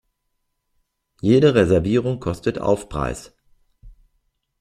Jede Reservierung kostet Aufpreis.